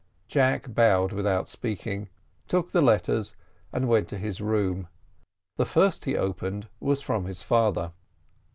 Jack bowed without speaking, took the letters, and went to his room. The first he opened was from his father.